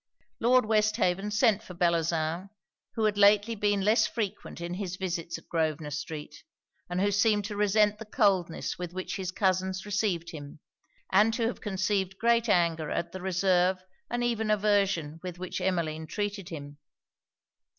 Lord Westhaven sent for Bellozane; who had lately been less frequent in his visits at Grosvenor street, and who seemed to resent the coldness with which his cousins received him, and to have conceived great anger at the reserve and even aversion with which Emmeline treated him.